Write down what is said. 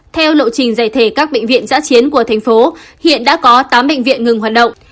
theo lộ trình giải thể các bệnh viện giã chiến của thành phố hiện đã có tám bệnh viện ngừng hoạt động